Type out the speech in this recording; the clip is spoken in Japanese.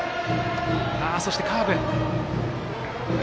そして、カーブ。